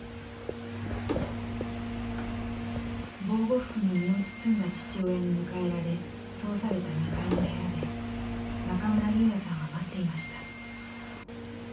防護服に身を包んだ父親に迎えられ通された２階の部屋で中村優也さんは待っていました。